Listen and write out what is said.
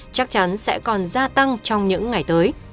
chắc chắn sẽ còn gia tăng trong những ngày tới